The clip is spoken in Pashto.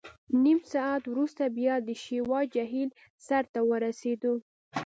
نیم ساعت وروسته بیا د شیوا جهیل سر ته ورسېدو.